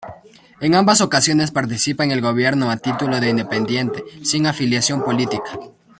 En ambas ocasiones participa en el Gobierno a título de independiente, sin afiliación política.